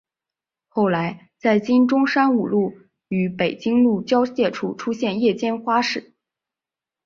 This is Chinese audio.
后来在今中山五路与北京路交界处出现夜间花市。